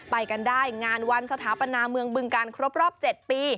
ไปกันได้งานวันสถาปนาเมืองบึงการครบรอบ๗ปี